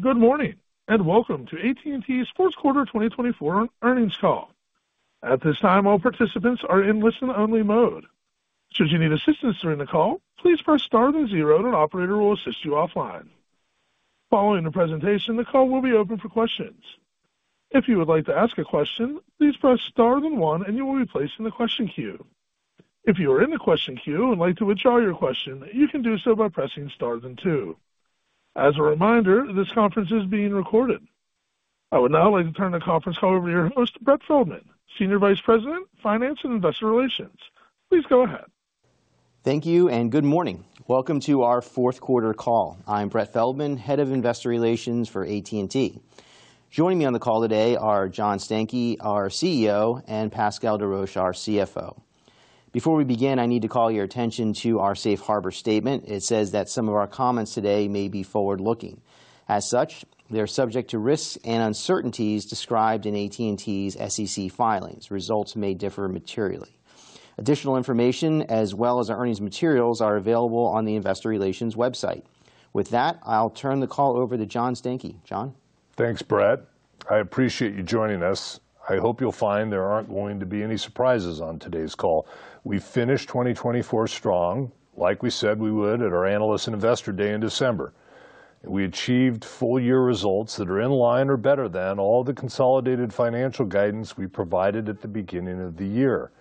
Good morning and welcome to AT&T's Fourth Quarter 2024 earnings call. At this time, all participants are in listen-only mode. Should you need assistance during the call, please press star then zero, and an operator will assist you offline. Following the presentation, the call will be open for questions. If you would like to ask a question, please press star then one, and you will be placed in the question queue. If you are in the question queue and would like to withdraw your question, you can do so by pressing star then two. As a reminder, this conference is being recorded. I would now like to turn the conference call over to your host, Brett Feldman, Senior Vice President, Finance and Investor Relations. Please go ahead. Thank you and good morning. Welcome to our Fourth Quarter call. I'm Brett Feldman, Head of Investor Relations for AT&T. Joining me on the call today are John Stankey, our CEO, and Pascal Desroches, our CFO. Before we begin, I need to call your attention to our Safe Harbor statement. It says that some of our comments today may be forward-looking. As such, they're subject to risks and uncertainties described in AT&T's SEC filings. Results may differ materially. Additional information, as well as our earnings materials, are available on the Investor Relations website. With that, I'll turn the call over to John Stankey. John? Thanks, Brett. I appreciate you joining us. I hope you'll find there aren't going to be any surprises on today's call. We finished 2024 strong, like we said we would at our Analysts and Investors Day in December. We achieved full-year results that are in line or better than all the consolidated financial guidance we provided at the beginning of the year.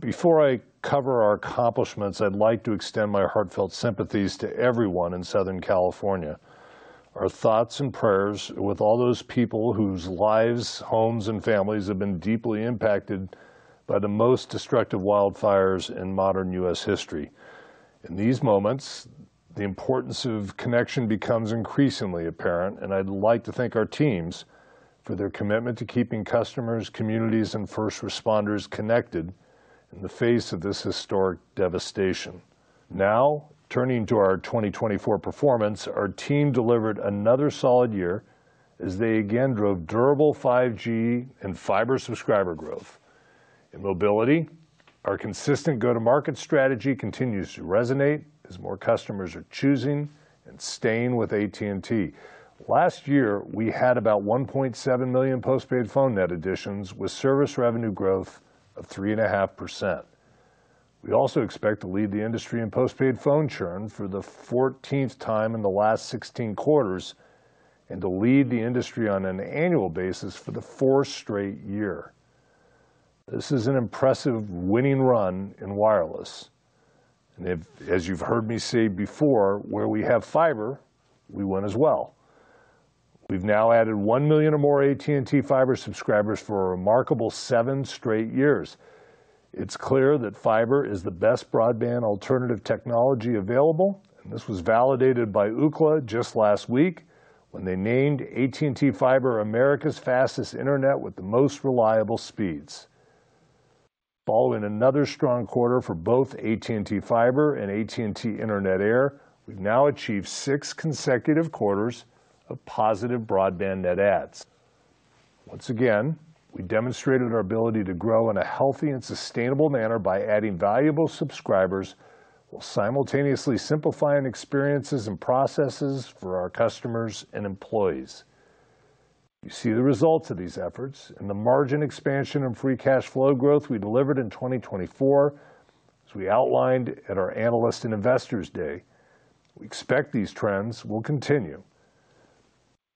Before I cover our accomplishments, I'd like to extend my heartfelt sympathies to everyone in Southern California, our thoughts and prayers with all those people whose lives, homes, and families have been deeply impacted by the most destructive wildfires in modern U.S. history. In these moments, the importance of connection becomes increasingly apparent, and I'd like to thank our teams for their commitment to keeping customers, communities, and first responders connected in the face of this historic devastation. Now, turning to our 2024 performance, our team delivered another solid year as they again drove durable 5G and fiber subscriber growth. In mobility, our consistent go-to-market strategy continues to resonate as more customers are choosing and staying with AT&T. Last year, we had about 1.7 million postpaid phone net additions with service revenue growth of 3.5%. We also expect to lead the industry in postpaid phone churn for the 14th time in the last 16 quarters and to lead the industry on an annual basis for the fourth straight year. This is an impressive winning run in wireless. As you've heard me say before, where we have fiber, we win as well. We've now added 1 million or more AT&T Fiber subscribers for a remarkable seven straight years. It's clear that fiber is the best broadband alternative technology available, and this was validated by Ookla just last week when they named AT&T Fiber America's fastest internet with the most reliable speeds. Following another strong quarter for both AT&T Fiber and AT&T Internet Air, we've now achieved six consecutive quarters of positive broadband net adds. Once again, we demonstrated our ability to grow in a healthy and sustainable manner by adding valuable subscribers while simultaneously simplifying experiences and processes for our customers and employees. You see the results of these efforts and the margin expansion and free cash flow growth we delivered in 2024, as we outlined at our Analysts and Investors Day. We expect these trends will continue.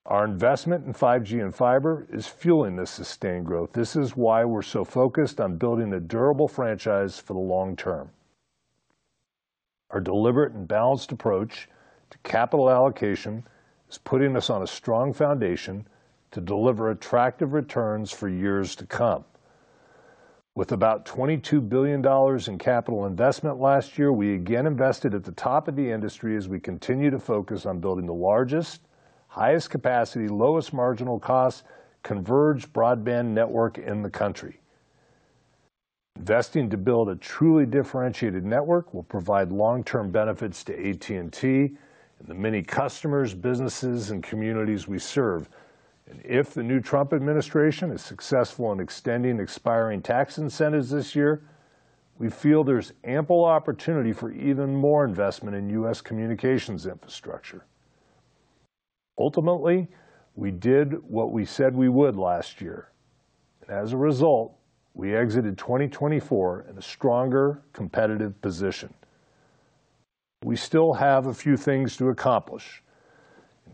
Our investment in 5G and fiber is fueling this sustained growth. This is why we're so focused on building a durable franchise for the long term. Our deliberate and balanced approach to capital allocation is putting us on a strong foundation to deliver attractive returns for years to come. With about $22 billion in capital investment last year, we again invested at the top of the industry as we continue to focus on building the largest, highest capacity, lowest marginal cost, converged broadband network in the country. Investing to build a truly differentiated network will provide long-term benefits to AT&T and the many customers, businesses, and communities we serve, and if the new Trump administration is successful in extending expiring tax incentives this year, we feel there's ample opportunity for even more investment in U.S. communications infrastructure. Ultimately, we did what we said we would last year, and as a result, we exited 2024 in a stronger, competitive position. We still have a few things to accomplish.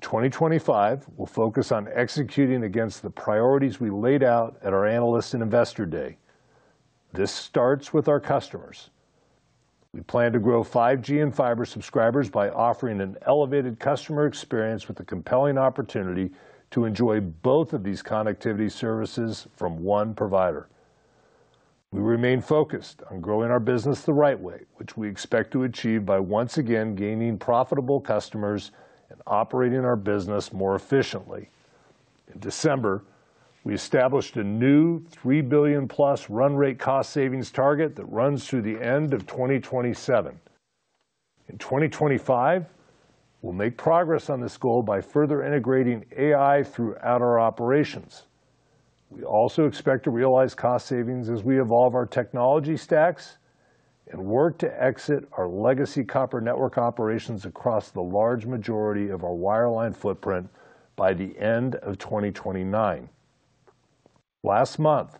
In 2025, we'll focus on executing against the priorities we laid out at our Analysts and Investors Day. This starts with our customers. We plan to grow 5G and fiber subscribers by offering an elevated customer experience with a compelling opportunity to enjoy both of these connectivity services from one provider. We remain focused on growing our business the right way, which we expect to achieve by once again gaining profitable customers and operating our business more efficiently. In December, we established a new $3 billion-plus run rate cost savings target that runs through the end of 2027. In 2025, we'll make progress on this goal by further integrating AI throughout our operations. We also expect to realize cost savings as we evolve our technology stacks and work to exit our legacy copper network operations across the large majority of our wireline footprint by the end of 2029. Last month,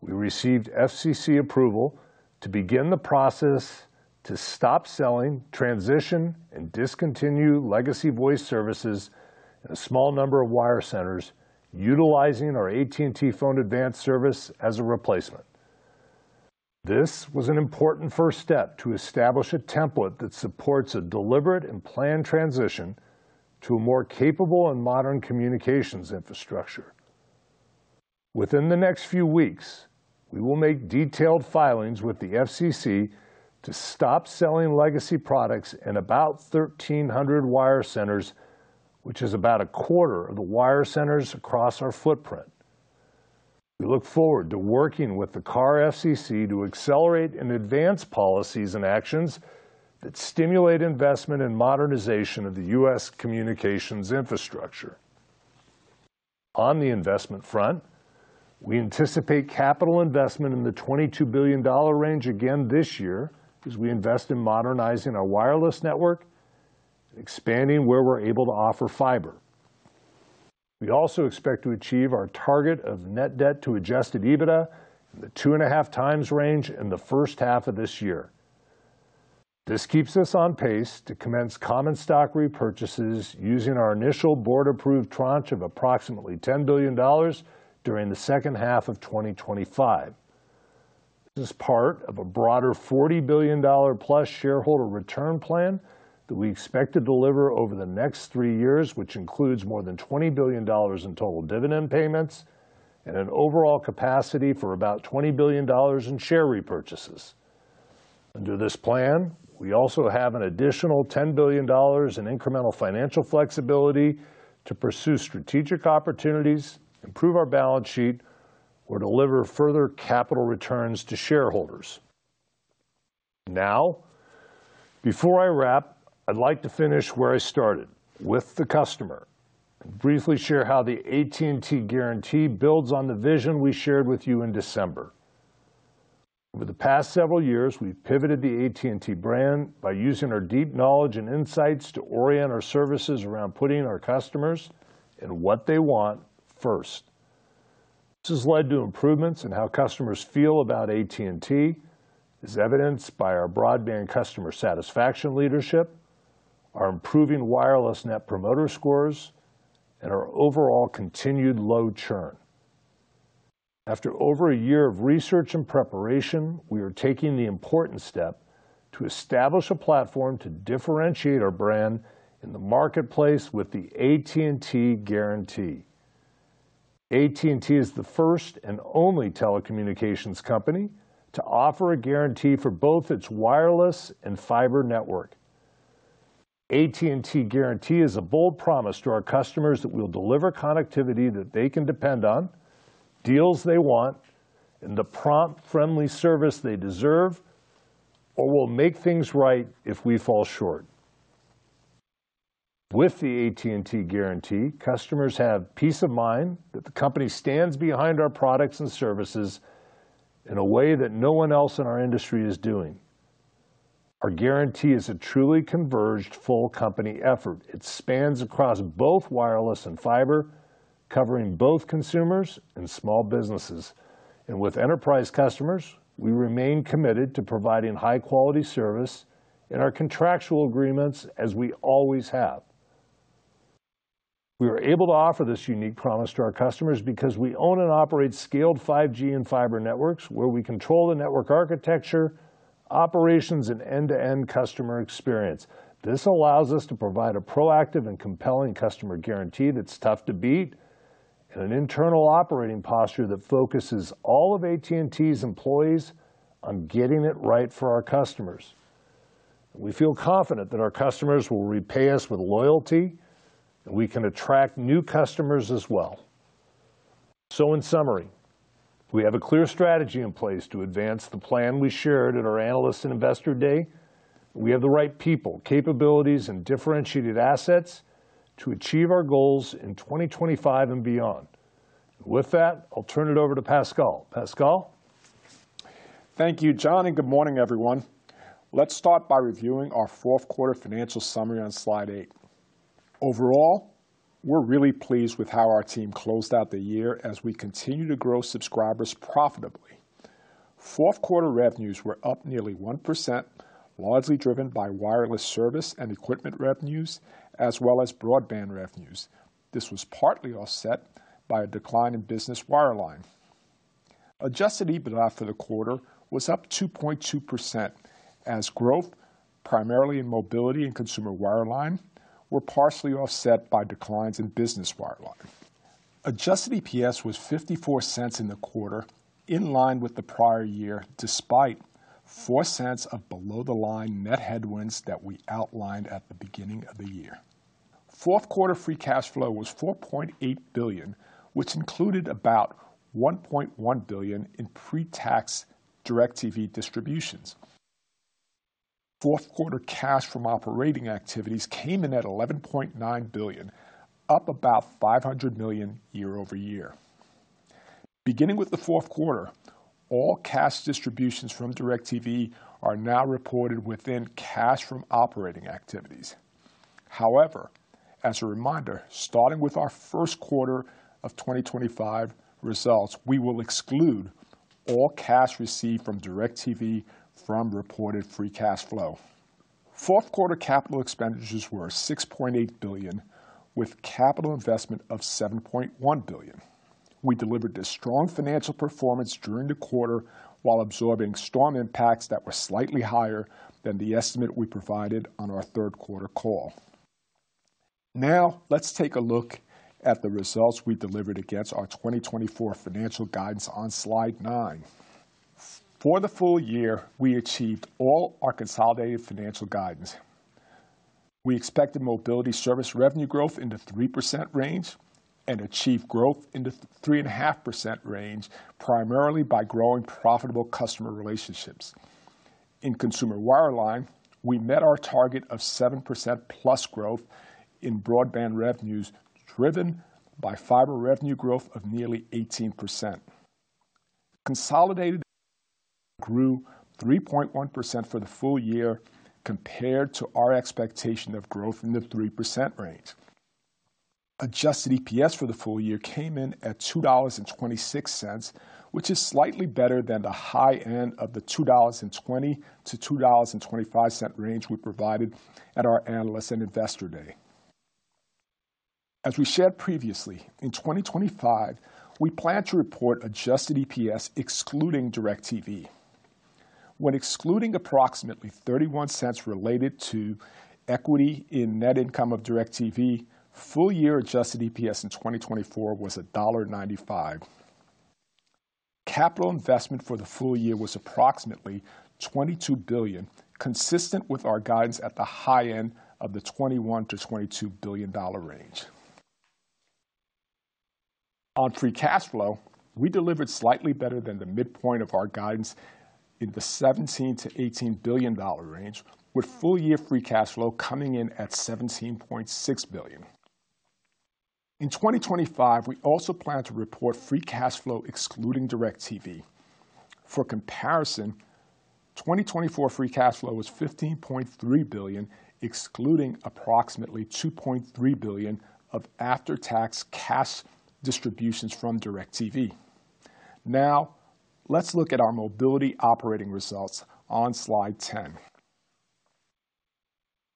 we received FCC approval to begin the process to stop selling, transition, and discontinue legacy voice services in a small number of wire centers, utilizing our AT&T Phone Advanced service as a replacement. This was an important first step to establish a template that supports a deliberate and planned transition to a more capable and modern communications infrastructure. Within the next few weeks, we will make detailed filings with the FCC to stop selling legacy products in about 1,300 wire centers, which is about a quarter of the wire centers across our footprint. We look forward to working with the FCC to accelerate and advance policies and actions that stimulate investment and modernization of the U.S. communications infrastructure. On the investment front, we anticipate capital investment in the $22 billion range again this year as we invest in modernizing our wireless network and expanding where we're able to offer fiber. We also expect to achieve our target of net debt to Adjusted EBITDA in the 2.5 times range in the first half of this year. This keeps us on pace to commence common stock repurchases using our initial Board-approved tranche of approximately $10 billion during the second half of 2025. This is part of a broader $40+ billion shareholder return plan that we expect to deliver over the next three years, which includes more than $20 billion in total dividend payments and an overall capacity for about $20 billion in share repurchases. Under this plan, we also have an additional $10 billion in incremental financial flexibility to pursue strategic opportunities, improve our balance sheet, or deliver further capital returns to shareholders. Now, before I wrap, I'd like to finish where I started with the customer and briefly share how the AT&T Guarantee builds on the vision we shared with you in December. Over the past several years, we've pivoted the AT&T brand by using our deep knowledge and insights to orient our services around putting our customers and what they want first. This has led to improvements in how customers feel about AT&T, as evidenced by our broadband customer satisfaction leadership, our improving wireless Net Promoter Scores, and our overall continued low churn. After over a year of research and preparation, we are taking the important step to establish a platform to differentiate our brand in the marketplace with the AT&T Guarantee. AT&T is the first and only telecommunications company to offer a guarantee for both its wireless and fiber network. AT&T Guarantee is a bold promise to our customers that we'll deliver connectivity that they can depend on, deals they want, and the prompt, friendly service they deserve, or we'll make things right if we fall short. With the AT&T Guarantee, customers have peace of mind that the company stands behind our products and services in a way that no one else in our industry is doing. Our guarantee is a truly converged, full company effort. It spans across both wireless and fiber, covering both consumers and small businesses. And with enterprise customers, we remain committed to providing high-quality service in our contractual agreements, as we always have. We are able to offer this unique promise to our customers because we own and operate scaled 5G and fiber networks where we control the network architecture, operations, and end-to-end customer experience. This allows us to provide a proactive and compelling customer guarantee that's tough to beat and an internal operating posture that focuses all of AT&T's employees on getting it right for our customers. We feel confident that our customers will repay us with loyalty and we can attract new customers as well. So, in summary, we have a clear strategy in place to advance the plan we shared at our Analysts and Investors Day. We have the right people, capabilities, and differentiated assets to achieve our goals in 2025 and beyond. With that, I'll turn it over to Pascal. Pascal? Thank you, John, and good morning, everyone. Let's start by reviewing our fourth quarter financial summary on slide eight. Overall, we're really pleased with how our team closed out the year as we continue to grow subscribers profitably. Fourth quarter revenues were up nearly 1%, largely driven by wireless service and equipment revenues, as well as broadband revenues. This was partly offset by a decline in business wireline. Adjusted EBITDA for the quarter was up 2.2%, as growth, primarily in mobility and consumer wireline, were partially offset by declines in business wireline. Adjusted EPS was $0.54 in the quarter, in line with the prior year, despite $0.04 of below-the-line net headwinds that we outlined at the beginning of the year. Fourth quarter free cash flow was $4.8 billion, which included about $1.1 billion in pre-tax DIRECTV distributions. Fourth quarter cash from operating activities came in at $11.9 billion, up about $500 million year over year. Beginning with the fourth quarter, all cash distributions from DIRECTV are now reported within cash from operating activities. However, as a reminder, starting with our first quarter of 2025 results, we will exclude all cash received from DIRECTV from reported free cash flow. Fourth quarter capital expenditures were $6.8 billion, with capital investment of $7.1 billion. We delivered a strong financial performance during the quarter while absorbing storm impacts that were slightly higher than the estimate we provided on our third quarter call. Now, let's take a look at the results we delivered against our 2024 financial guidance on slide nine. For the full year, we achieved all our consolidated financial guidance. We expected mobility service revenue growth in the 3% range and achieved growth in the 3.5% range, primarily by growing profitable customer relationships. In consumer wireline, we met our target of 7%-plus growth in broadband revenues, driven by fiber revenue growth of nearly 18%. Consolidated grew 3.1% for the full year compared to our expectation of growth in the 3% range. Adjusted EPS for the full year came in at $2.26, which is slightly better than the high end of the $2.20-$2.25 range we provided at our Analysts and Investors Day. As we shared previously, in 2025, we plan to report adjusted EPS excluding DIRECTV. When excluding approximately $0.31 related to equity in net income of DIRECTV, full-year adjusted EPS in 2024 was $1.95. Capital investment for the full year was approximately $22 billion, consistent with our guidance at the high end of the $21 billion-$22 billion range. On free cash flow, we delivered slightly better than the midpoint of our guidance in the $17 billion-$18 billion range, with full-year free cash flow coming in at $17.6 billion. In 2025, we also plan to report free cash flow excluding DIRECTV. For comparison, 2024 free cash flow was $15.3 billion, excluding approximately $2.3 billion of after-tax cash distributions from DIRECTV. Now, let's look at our mobility operating results on slide ten.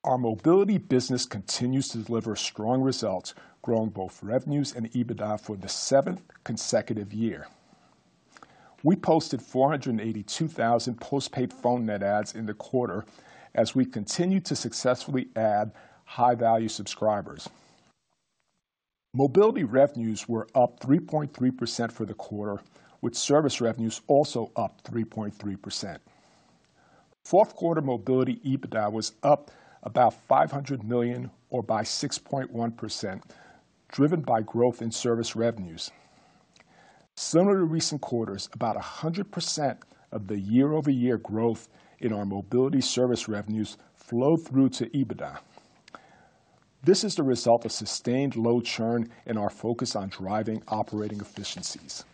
Our mobility business continues to deliver strong results, growing both revenues and EBITDA for the seventh consecutive year. We posted 482,000 postpaid phone net adds in the quarter as we continue to successfully add high-value subscribers. Mobility revenues were up 3.3% for the quarter, with service revenues also up 3.3%. Fourth quarter mobility EBITDA was up about $500 million or by 6.1%, driven by growth in service revenues. Similar to recent quarters, about 100% of the year-over-year growth in our mobility service revenues flowed through to EBITDA. This is the result of sustained low churn and our focus on driving operating efficiencies.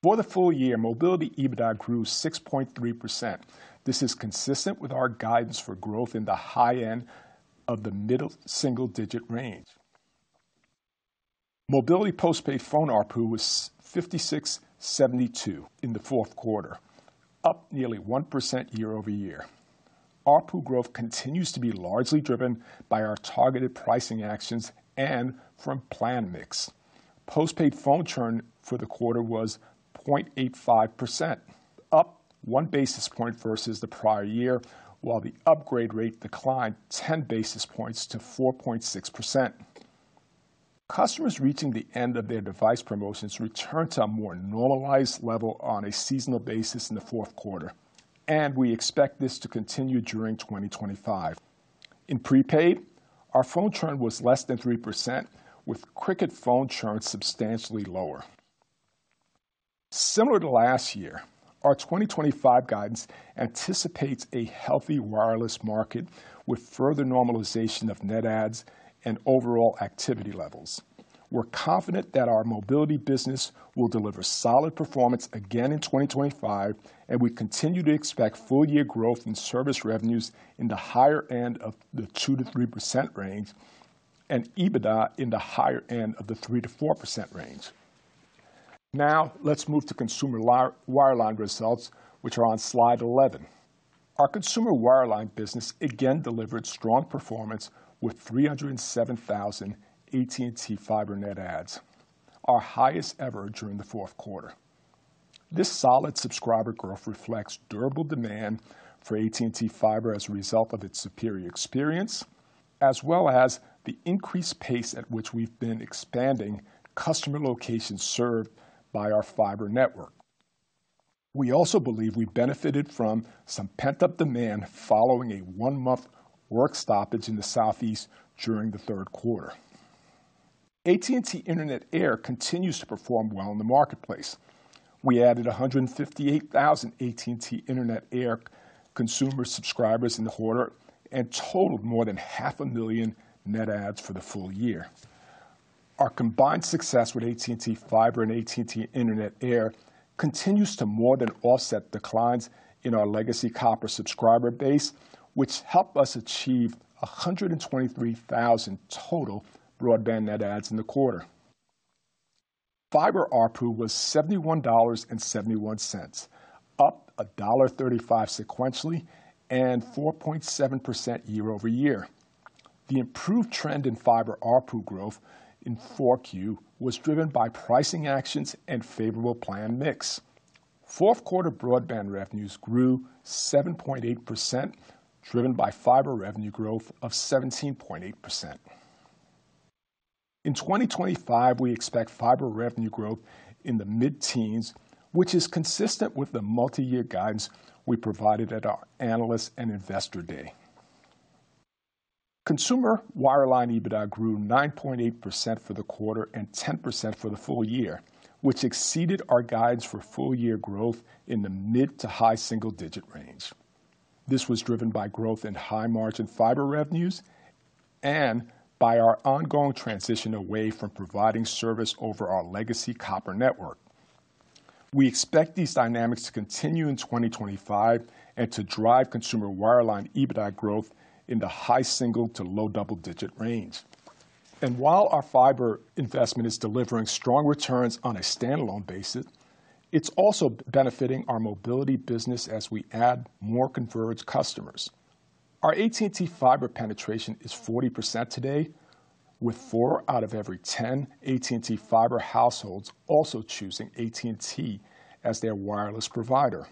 For the full year, mobility EBITDA grew 6.3%. This is consistent with our guidance for growth in the high end of the middle single-digit range. Mobility postpaid phone ARPU was $56.72 in the fourth quarter, up nearly 1% year over year. ARPU growth continues to be largely driven by our targeted pricing actions and from plan mix. Postpaid phone churn for the quarter was 0.85%, up one basis point versus the prior year, while the upgrade rate declined 10 basis points to 4.6%. Customers reaching the end of their device promotions returned to a more normalized level on a seasonal basis in the fourth quarter, and we expect this to continue during 2025. In prepaid, our phone churn was less than 3%, with Cricket phone churn substantially lower. Similar to last year, our 2025 guidance anticipates a healthy wireless market with further normalization of net adds and overall activity levels. We're confident that our mobility business will deliver solid performance again in 2025, and we continue to expect full-year growth in service revenues in the higher end of the 2%-3% range and EBITDA in the higher end of the 3%-4% range. Now, let's move to consumer wireline results, which are on slide 11. Our consumer wireline business again delivered strong performance with 307,000 AT&T Fiber net adds, our highest ever during the fourth quarter. This solid subscriber growth reflects durable demand for AT&T Fiber as a result of its superior experience, as well as the increased pace at which we've been expanding customer locations served by our fiber network. We also believe we benefited from some pent-up demand following a one-month work stoppage in the Southeast during the third quarter. AT&T Internet Air continues to perform well in the marketplace. We added 158,000 AT&T Internet Air consumer subscribers in the quarter and totaled more than 500,000 net adds for the full year. Our combined success with AT&T Fiber and AT&T Internet Air continues to more than offset declines in our legacy copper subscriber base, which helped us achieve 123,000 total broadband net adds in the quarter. Fiber ARPU was $71.71, up $1.35 sequentially and 4.7% year over year. The improved trend in fiber ARPU growth in fourth quarter was driven by pricing actions and favorable plan mix. Fourth quarter broadband revenues grew 7.8%, driven by fiber revenue growth of 17.8%. In 2025, we expect fiber revenue growth in the mid-teens, which is consistent with the multi-year guidance we provided at our Analysts and Investors Day. Consumer wireline EBITDA grew 9.8% for the quarter and 10% for the full year, which exceeded our guidance for full-year growth in the mid to high single-digit range. This was driven by growth in high-margin fiber revenues and by our ongoing transition away from providing service over our legacy copper network. We expect these dynamics to continue in 2025 and to drive consumer wireline EBITDA growth in the high single to low double-digit range. And while our fiber investment is delivering strong returns on a standalone basis, it's also benefiting our mobility business as we add more converged customers. Our AT&T Fiber penetration is 40% today, with four out of every ten AT&T Fiber households also choosing AT&T as their wireless provider.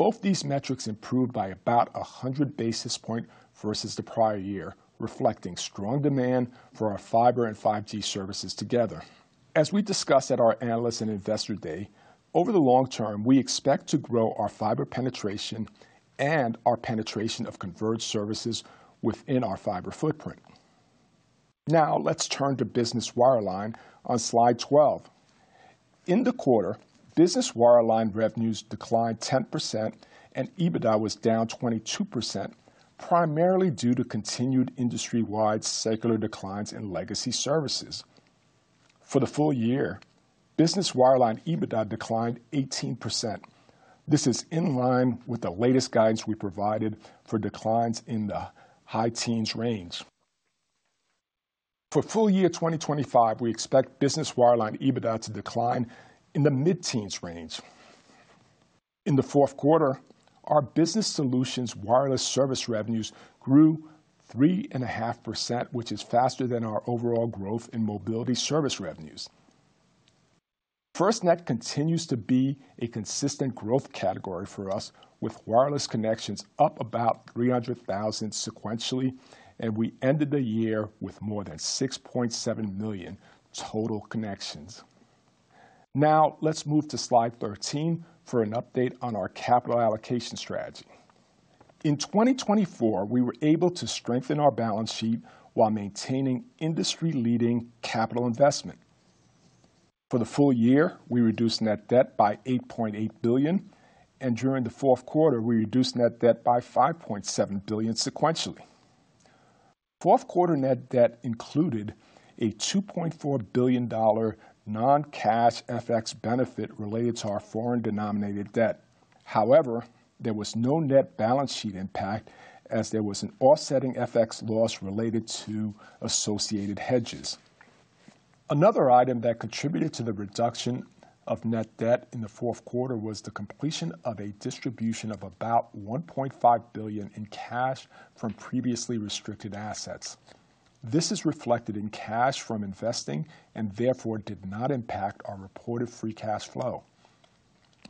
Both these metrics improved by about 100 basis points versus the prior year, reflecting strong demand for our fiber and 5G services together. As we discussed at our Analysts and Investors Day, over the long term, we expect to grow our fiber penetration and our penetration of converged services within our fiber footprint. Now, let's turn to business wireline on slide 12. In the quarter, business wireline revenues declined 10% and EBITDA was down 22%, primarily due to continued industry-wide secular declines in legacy services. For the full year, business wireline EBITDA declined 18%. This is in line with the latest guidance we provided for declines in the high-teens range. For full year 2025, we expect business wireline EBITDA to decline in the mid-teens range. In the fourth quarter, our business solutions wireless service revenues grew 3.5%, which is faster than our overall growth in mobility service revenues. FirstNet continues to be a consistent growth category for us, with wireless connections up about 300,000 sequentially, and we ended the year with more than 6.7 million total connections. Now, let's move to slide 13 for an update on our capital allocation strategy. In 2024, we were able to strengthen our balance sheet while maintaining industry-leading capital investment. For the full year, we reduced net debt by $8.8 billion, and during the fourth quarter, we reduced net debt by $5.7 billion sequentially. Fourth quarter net debt included a $2.4 billion non-cash FX benefit related to our foreign denominated debt. However, there was no net balance sheet impact as there was an offsetting FX loss related to associated hedges. Another item that contributed to the reduction of net debt in the fourth quarter was the completion of a distribution of about $1.5 billion in cash from previously restricted assets. This is reflected in cash from investing and therefore did not impact our reported free cash flow.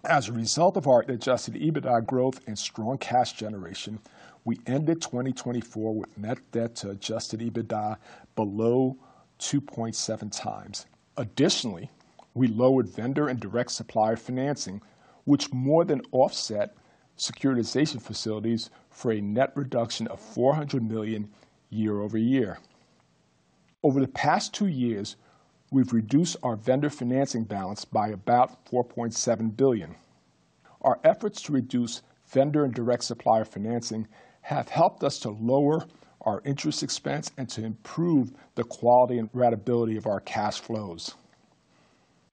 As a result of our Adjusted EBITDA growth and strong cash generation, we ended 2024 with net debt to Adjusted EBITDA below 2.7 times. Additionally, we lowered vendor and direct supplier financing, which more than offset securitization facilities for a net reduction of $400 million year over year. Over the past two years, we've reduced our vendor financing balance by about $4.7 billion. Our efforts to reduce vendor and direct supplier financing have helped us to lower our interest expense and to improve the quality and readability of our cash flows.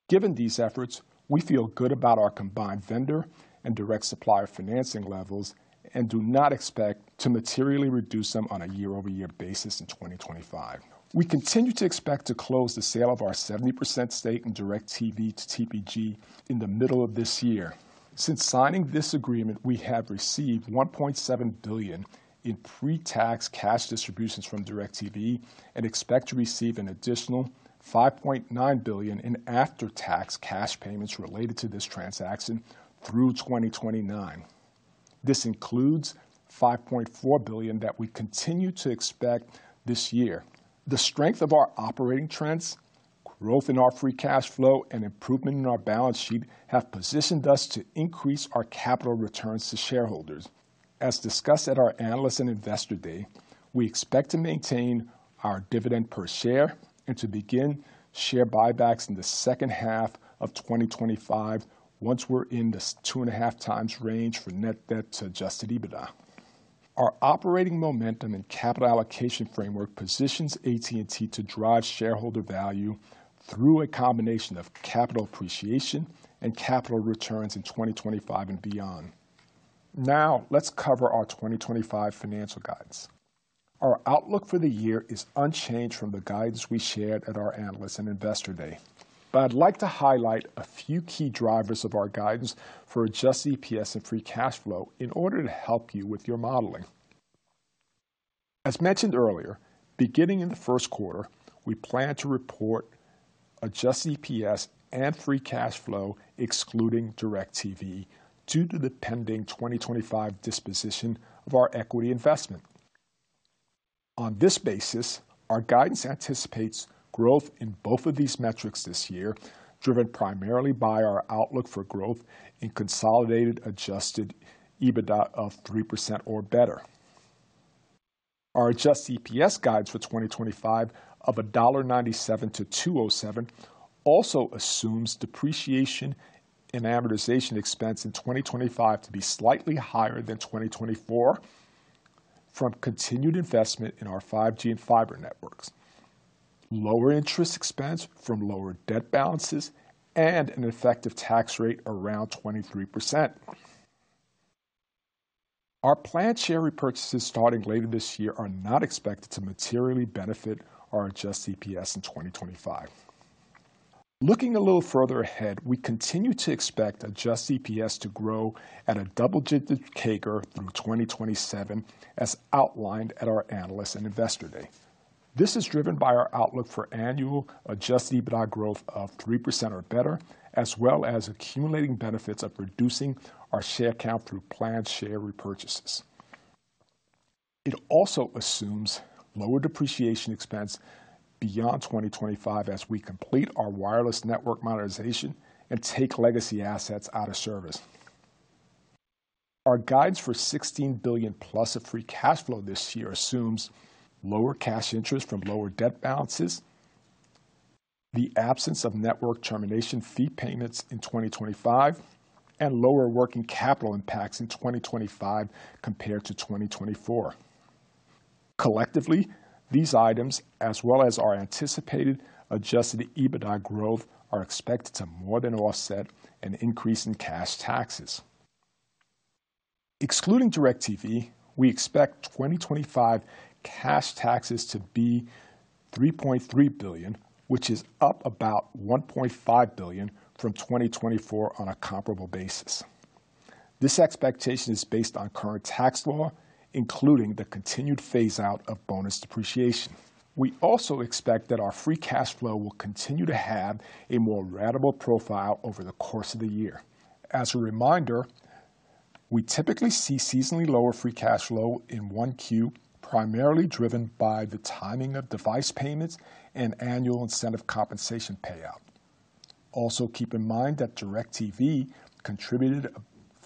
Given these efforts, we feel good about our combined vendor and direct supplier financing levels and do not expect to materially reduce them on a year-over-year basis in 2025. We continue to expect to close the sale of our 70% stake in DIRECTV to TPG in the middle of this year. Since signing this agreement, we have received $1.7 billion in pre-tax cash distributions from DIRECTV and expect to receive an additional $5.9 billion in after-tax cash payments related to this transaction through 2029. This includes $5.4 billion that we continue to expect this year. The strength of our operating trends, growth in our free cash flow, and improvement in our balance sheet have positioned us to increase our capital returns to shareholders. As discussed at our Analysts and Investors Day, we expect to maintain our dividend per share and to begin share buybacks in the second half of 2025 once we're in the 2.5 times range for net debt to Adjusted EBITDA. Our operating momentum and capital allocation framework positions AT&T to drive shareholder value through a combination of capital appreciation and capital returns in 2025 and beyond. Now, let's cover our 2025 financial guidance. Our outlook for the year is unchanged from the guidance we shared at our Analysts and Investors Day, but I'd like to highlight a few key drivers of our guidance for Adjusted EPS and free cash flow in order to help you with your modeling. As mentioned earlier, beginning in the first quarter, we plan to report adjusted EPS and free cash flow excluding DIRECTV due to the pending 2025 disposition of our equity investment. On this basis, our guidance anticipates growth in both of these metrics this year, driven primarily by our outlook for growth in consolidated adjusted EBITDA of 3% or better. Our adjusted EPS guidance for 2025 of $1.97-$2.07 also assumes depreciation and amortization expense in 2025 to be slightly higher than 2024 from continued investment in our 5G and fiber networks, lower interest expense from lower debt balances, and an effective tax rate around 23%. Our planned share repurchases starting later this year are not expected to materially benefit our adjusted EPS in 2025. Looking a little further ahead, we continue to expect adjusted EPS to grow at a double-digit CAGR through 2027, as outlined at our Analysts and Investors Day. This is driven by our outlook for annual adjusted EBITDA growth of 3% or better, as well as accumulating benefits of reducing our share count through planned share repurchases. It also assumes lower depreciation expense beyond 2025 as we complete our wireless network monetization and take legacy assets out of service. Our guidance for $16 billion plus of free cash flow this year assumes lower cash interest from lower debt balances, the absence of network termination fee payments in 2025, and lower working capital impacts in 2025 compared to 2024. Collectively, these items, as well as our anticipated adjusted EBITDA growth, are expected to more than offset an increase in cash taxes. Excluding DIRECTV, we expect 2025 cash taxes to be $3.3 billion, which is up about $1.5 billion from 2024 on a comparable basis. This expectation is based on current tax law, including the continued phase-out of bonus depreciation. We also expect that our free cash flow will continue to have a more readable profile over the course of the year. As a reminder, we typically see seasonally lower free cash flow in one quarter, primarily driven by the timing of device payments and annual incentive compensation payout. Also, keep in mind that DIRECTV contributed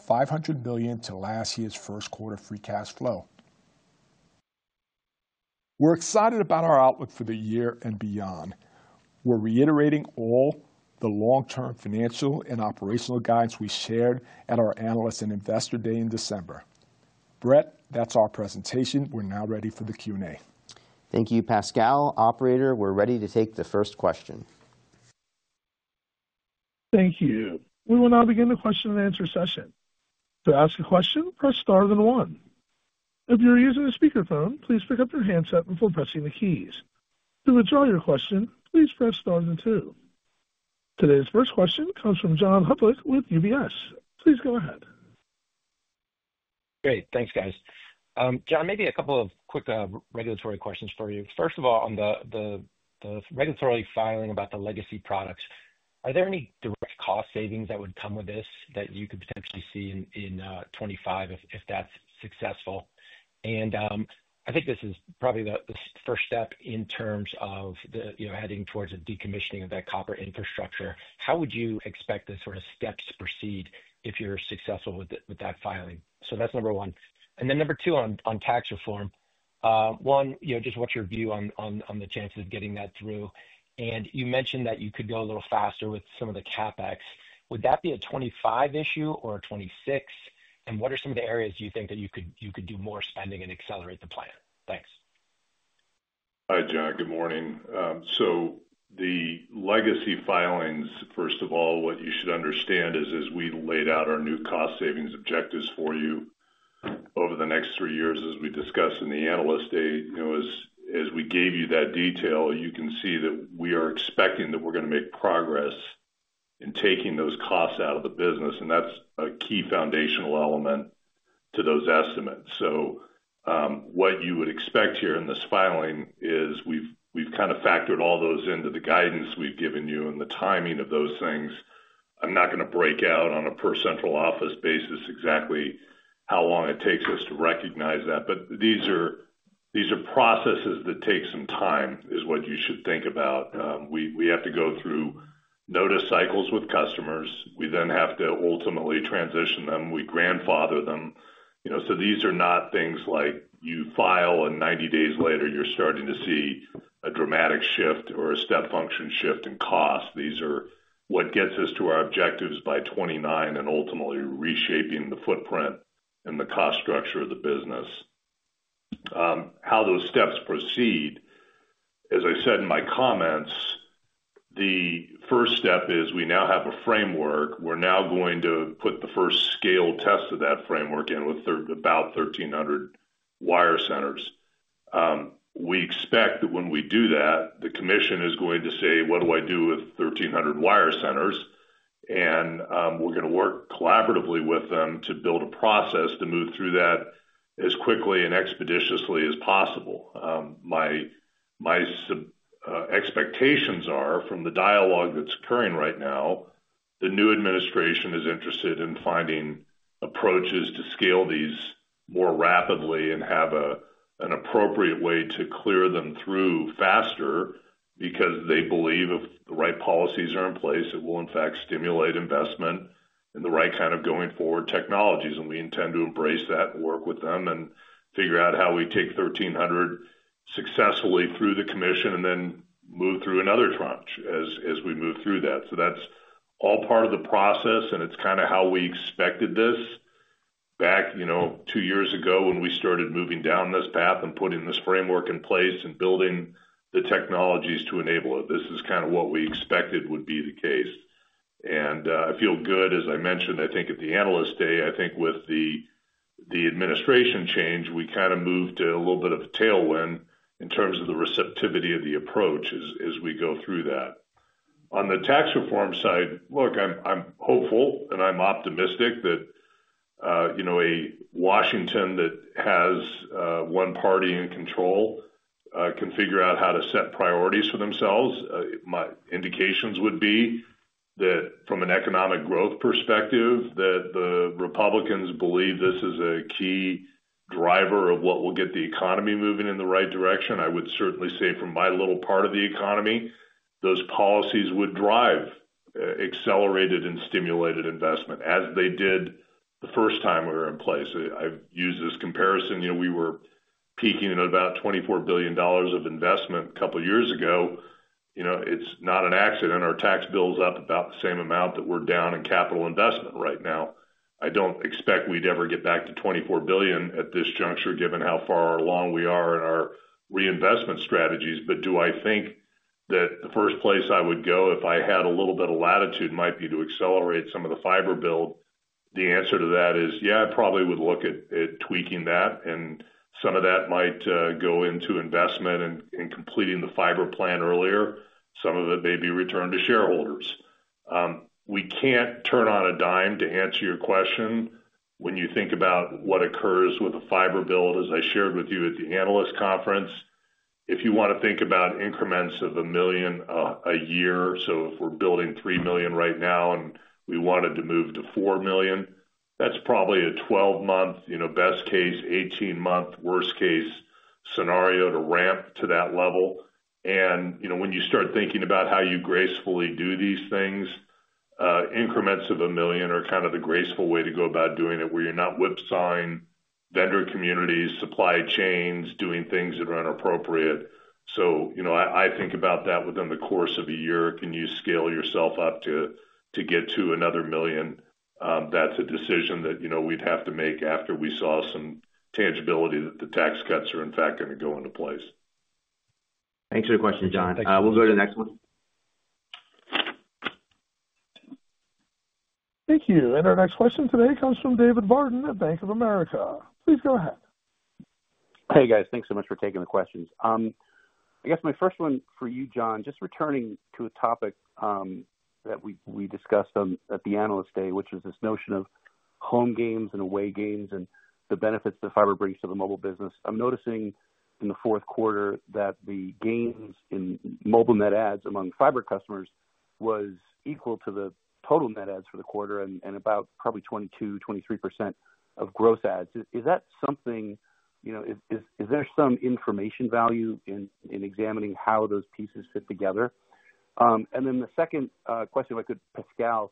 $500 million to last year's first quarter free cash flow. We're excited about our outlook for the year and beyond. We're reiterating all the long-term financial and operational guidance we shared at our Analysts and Investors Day in December. Brett, that's our presentation. We're now ready for the Q&A. Thank you, Pascal. Operator, we're ready to take the first question. Thank you. We will now begin the question and answer session. To ask a question, press star then one. If you're using a speakerphone, please pick up your handset before pressing the keys. To withdraw your question, please press star then two. Today's first question comes from John Hodulik with UBS. Please go ahead. Great. Thanks, guys. John, maybe a couple of quick regulatory questions for you. First of all, on the regulatory filing about the legacy products, are there any direct cost savings that would come with this that you could potentially see in 2025 if that's successful? And I think this is probably the first step in terms of heading towards a decommissioning of that copper infrastructure. How would you expect the sort of steps to proceed if you're successful with that filing? So that's number one. And then number two on tax reform. One, just what's your view on the chances of getting that through? And you mentioned that you could go a little faster with some of the CapEx. Would that be a 2025 issue or a 2026? And what are some of the areas you think that you could do more spending and accelerate the plan? Thanks. Hi, John. Good morning. So the legacy filings, first of all, what you should understand is, as we laid out our new cost savings objectives for you over the next three years, as we discussed in the Analyst Day, as we gave you that detail, you can see that we are expecting that we're going to make progress in taking those costs out of the business. And that's a key foundational element to those estimates. So what you would expect here in this filing is we've kind of factored all those into the guidance we've given you and the timing of those things. I'm not going to break out on a per central office basis exactly how long it takes us to recognize that, but these are processes that take some time, is what you should think about. We have to go through notice cycles with customers. We then have to ultimately transition them. We grandfather them. So these are not things like you file and 90 days later you're starting to see a dramatic shift or a step function shift in cost. These are what gets us to our objectives by 2029 and ultimately reshaping the footprint and the cost structure of the business. How those steps proceed, as I said in my comments, the first step is we now have a framework. We're now going to put the first scale test of that framework in with about 1,300 wire centers. We expect that when we do that, the commission is going to say, "What do I do with 1,300 wire centers?" And we're going to work collaboratively with them to build a process to move through that as quickly and expeditiously as possible. My expectations are from the dialogue that's occurring right now, the new administration is interested in finding approaches to scale these more rapidly and have an appropriate way to clear them through faster because they believe if the right policies are in place, it will in fact stimulate investment in the right kind of going forward technologies. And we intend to embrace that and work with them and figure out how we take 1,300 successfully through the commission and then move through another tranche as we move through that. So that's all part of the process, and it's kind of how we expected this back two years ago when we started moving down this path and putting this framework in place and building the technologies to enable it. This is kind of what we expected would be the case, and I feel good, as I mentioned. I think at the Analysts Day, I think with the administration change, we kind of moved to a little bit of a tailwind in terms of the receptivity of the approach as we go through that. On the tax reform side, look, I'm hopeful and I'm optimistic that a Washington that has one party in control can figure out how to set priorities for themselves. My indications would be that from an economic growth perspective, that the Republicans believe this is a key driver of what will get the economy moving in the right direction. I would certainly say from my little part of the economy, those policies would drive accelerated and stimulated investment as they did the first time we were in place. I've used this comparison. We were peaking at about $24 billion of investment a couple of years ago. It's not an accident. Our tax bill's up about the same amount that we're down in capital investment right now. I don't expect we'd ever get back to $24 billion at this juncture given how far along we are in our reinvestment strategies. But do I think that the first place I would go if I had a little bit of latitude might be to accelerate some of the fiber build? The answer to that is, yeah, I probably would look at tweaking that, and some of that might go into investment and completing the fiber plan earlier. Some of it may be returned to shareholders. We can't turn on a dime to answer your question when you think about what occurs with a fiber build, as I shared with you at the Analysts Conference. If you want to think about increments of a million a year, so if we're building three million right now and we wanted to move to four million, that's probably a 12-month, best case, 18-month, worst-case scenario to ramp to that level, and when you start thinking about how you gracefully do these things, increments of a million are kind of the graceful way to go about doing it where you're not whipsawing vendor communities, supply chains, doing things that aren't appropriate. So I think about that within the course of a year. Can you scale yourself up to get to another million? That's a decision that we'd have to make after we saw some tangibility that the tax cuts are in fact going to go into place. Thanks for the question, John. We'll go to the next one. Thank you. And our next question today comes from David Barden at Bank of America. Please go ahead. Hey, guys. Thanks so much for taking the questions. I guess my first one for you, John, just returning to a topic that we discussed at the Analysts Day, which was this notion of home games and away games and the benefits that fiber brings to the mobile business. I'm noticing in the fourth quarter that the gains in mobile net adds among fiber customers was equal to the total net adds for the quarter and about probably 22%-23% of gross adds. Is that something? Is there some information value in examining how those pieces fit together? And then the second question, if I could, Pascal,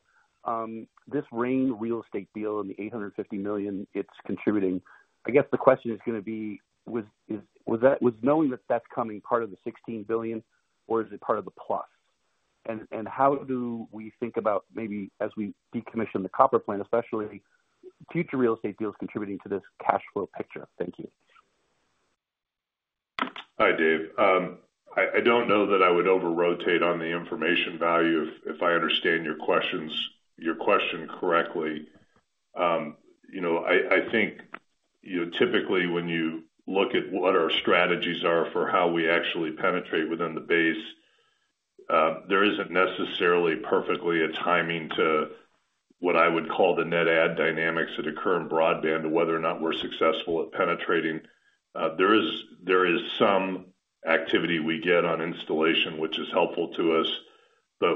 this REIT real estate deal and the $850 million it's contributing, I guess the question is going to be, was knowing that that's coming part of the $16 billion, or is it part of the plus? And how do we think about maybe as we decommission the copper plant, especially future real estate deals contributing to this cash flow picture? Thank you. Hi, Dave. I don't know that I would over-rotate on the information value if I understand your question correctly. I think typically when you look at what our strategies are for how we actually penetrate within the base, there isn't necessarily perfectly a timing to what I would call the net add dynamics that occur in broadband to whether or not we're successful at penetrating. There is some activity we get on installation, which is helpful to us. But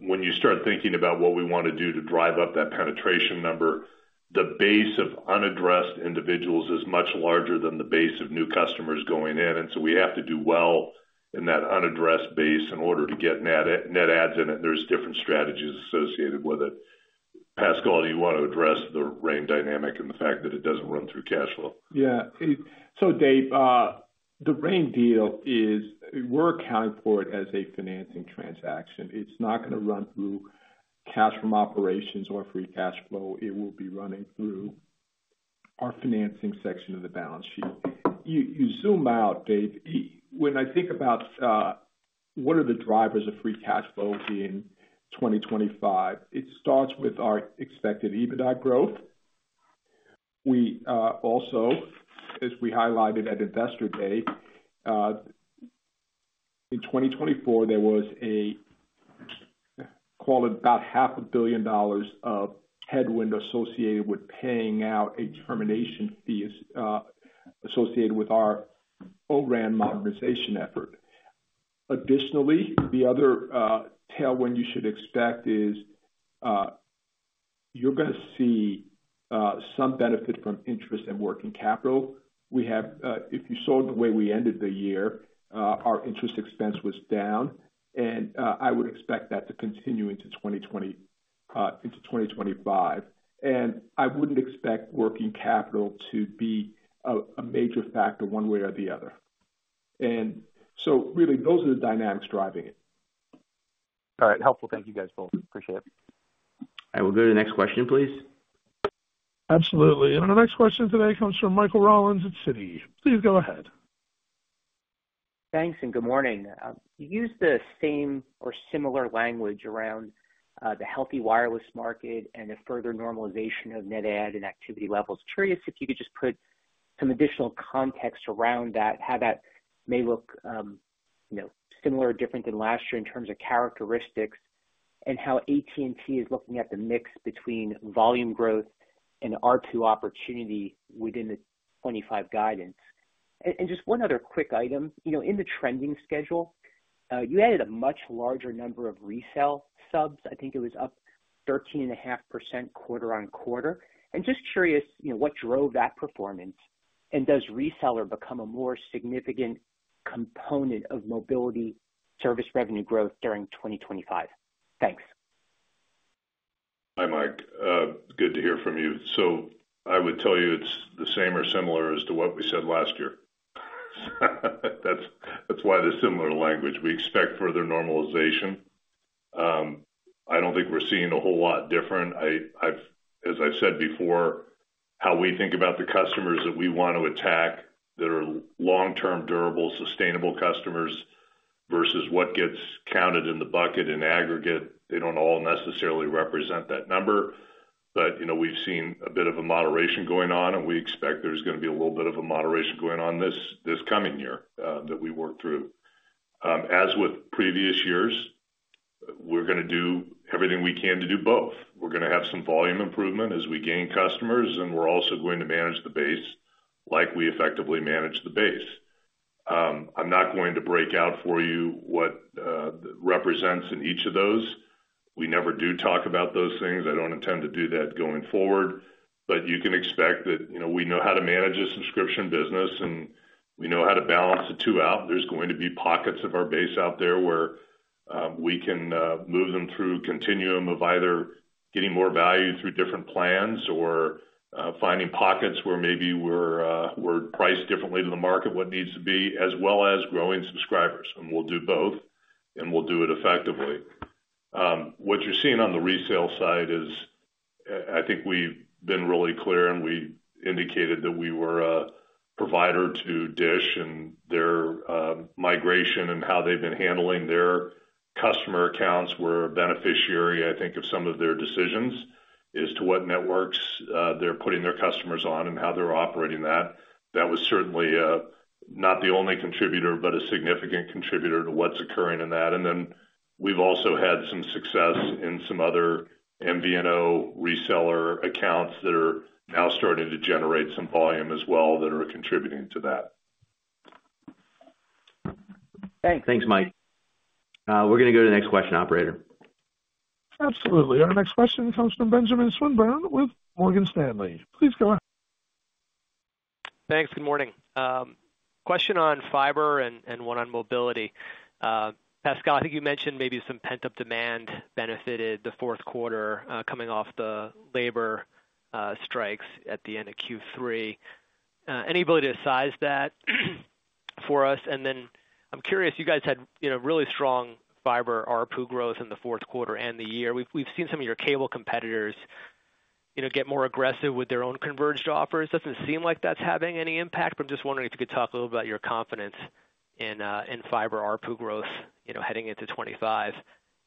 when you start thinking about what we want to do to drive up that penetration number, the base of unaddressed individuals is much larger than the base of new customers going in. And so we have to do well in that unaddressed base in order to get net adds in it. There's different strategies associated with it. Pascal, do you want to address the ARPU dynamic and the fact that it doesn't run through cash flow? Yeah. So, Dave, the RAN deal is we're accounting for it as a financing transaction. It's not going to run through cash from operations or free cash flow. It will be running through our financing section of the balance sheet. You zoom out, Dave. When I think about what are the drivers of free cash flow in 2025, it starts with our expected EBITDA growth. Also, as we highlighted at Investor Day, in 2024, there was a call at about $500 million of headwind associated with paying out a termination fee associated with our O-RAN modernization effort. Additionally, the other tailwind you should expect is you're going to see some benefit from interest and working capital. If you saw the way we ended the year, our interest expense was down, and I would expect that to continue into 2025. And I wouldn't expect working capital to be a major factor one way or the other. And so really, those are the dynamics driving it. All right. Helpful. Thank you, guys, both. Appreciate it. All right. We'll go to the next question, please. Absolutely. And our next question today comes from Michael Rollins at Citi. Please go ahead. Thanks and good morning. You used the same or similar language around the healthy wireless market and the further normalization of net adds and activity levels. Curious if you could just put some additional context around that, how that may look similar, different than last year in terms of characteristics, and how AT&T is looking at the mix between volume growth and ARPU opportunity within the '25 guidance. And just one other quick item. In the trending schedule, you added a much larger number of resale subs. I think it was up 13.5% quarter on quarter. And just curious what drove that performance, and does reseller become a more significant component of mobility service revenue growth during 2025? Thanks. Hi, Mike. Good to hear from you. So I would tell you it's the same or similar as to what we said last year. That's why the similar language. We expect further normalization. I don't think we're seeing a whole lot different. As I've said before, how we think about the customers that we want to attack that are long-term, durable, sustainable customers versus what gets counted in the bucket in aggregate, they don't all necessarily represent that number. But we've seen a bit of a moderation going on, and we expect there's going to be a little bit of a moderation going on this coming year that we work through. As with previous years, we're going to do everything we can to do both. We're going to have some volume improvement as we gain customers, and we're also going to manage the base like we effectively manage the base. I'm not going to break out for you what represents in each of those. We never do talk about those things. I don't intend to do that going forward. But you can expect that we know how to manage a subscription business, and we know how to balance the two out. There's going to be pockets of our base out there where we can move them through a continuum of either getting more value through different plans or finding pockets where maybe we're priced differently to the market, what needs to be, as well as growing subscribers, and we'll do both, and we'll do it effectively. What you're seeing on the resale side is I think we've been really clear, and we indicated that we were a provider to DISH, and their migration and how they've been handling their customer accounts were a beneficiary, I think, of some of their decisions as to what networks they're putting their customers on and how they're operating that. That was certainly not the only contributor, but a significant contributor to what's occurring in that. And then we've also had some success in some other MVNO reseller accounts that are now starting to generate some volume as well that are contributing to that. Thanks, Mike. We're going to go to the next question, operator. Absolutely. Our next question comes from Benjamin Swinburne with Morgan Stanley. Please go ahead. Thanks. Good morning. Question on fiber and one on mobility. Pascal, I think you mentioned maybe some pent-up demand benefited the fourth quarter coming off the labor strikes at the end of Q3. Any ability to size that for us? And then I'm curious, you guys had really strong fiber ARPU growth in the fourth quarter and the year. We've seen some of your cable competitors get more aggressive with their own converged offers. Doesn't seem like that's having any impact, but I'm just wondering if you could talk a little about your confidence in fiber ARPU growth heading into '25.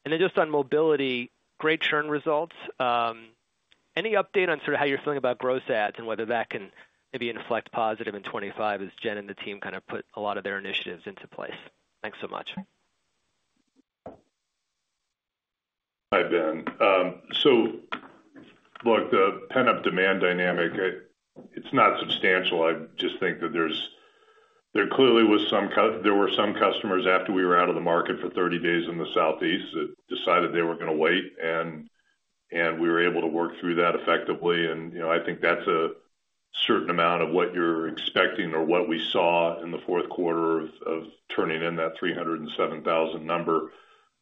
And then just on mobility, great churn results. Any update on sort of how you're feeling about gross adds and whether that can maybe inflect positive in '25 as Jen and the team kind of put a lot of their initiatives into place? Thanks so much. Hi, Ben. So look, the pent-up demand dynamic, it's not substantial. I just think that there clearly were some customers after we were out of the market for 30 days in the Southeast that decided they were going to wait, and we were able to work through that effectively, and I think that's a certain amount of what you're expecting or what we saw in the fourth quarter of turning in that 307,000 number.